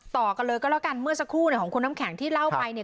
ต่อกันเลยก็แล้วกันเมื่อสักครู่เนี่ยของคุณน้ำแข็งที่เล่าไปเนี่ย